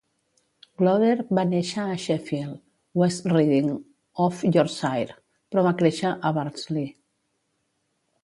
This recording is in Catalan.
Glover va néixer a Sheffield, West Riding of Yorkshire, però va créixer a Barnsley.